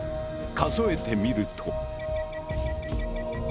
数えてみると。